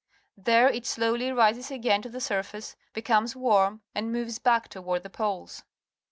There it slowly rises again to the surface, becomes warm, and moves back toward the poles.